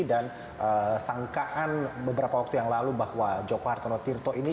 dan sangkaan beberapa waktu yang lalu bahwa joko hartono tirto ini